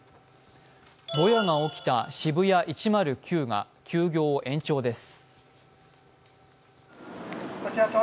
ぼやが起きたＳＨＩＢＵＹＡ１０９が休業を延長です。